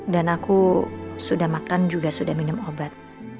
dan aku sudah makan juga sudah minum obat